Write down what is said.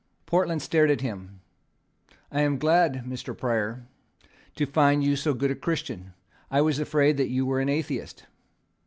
Portland stared at him. "I am glad, Mr. Prior, to find you so good a Christian. I was afraid that you were an atheist."